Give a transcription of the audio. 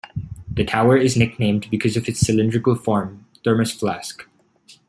The tower is nicknamed because of its cylindrical form "thermos flask".